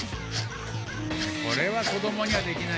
これはこどもにはできないよ。